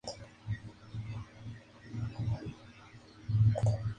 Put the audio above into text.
Al día siguiente se separaron.